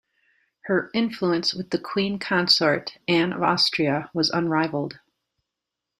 Her influence with the queen consort, Anne of Austria, was unrivaled.